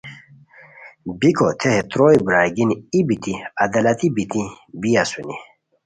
بیکو تھے ہے تروئے برارگینی ای بیتی عدالتی بیتی بی اسونی